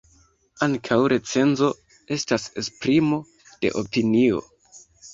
Ankaŭ recenzo estas esprimo de opinio.